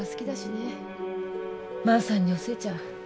万さんにお寿恵ちゃん